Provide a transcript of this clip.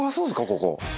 ここ。